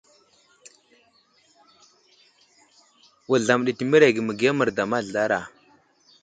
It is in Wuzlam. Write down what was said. Wuzlam ɗi təmerege məgiya merda mazlara.